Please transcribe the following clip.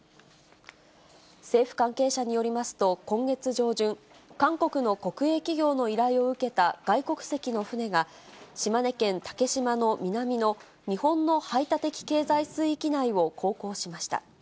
政府関係者によりますと、今月上旬、韓国の国営企業の依頼を受けた外国籍の船が、島根県竹島の南の日本の排他的経済水域内を航行しました。